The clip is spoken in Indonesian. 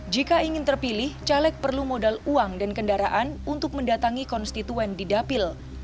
jika ingin terpilih caleg perlu modal uang dan kendaraan untuk mendatangi konstituen di dapil